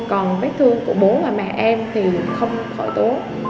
còn vết thương của bố và mẹ em thì không khởi tố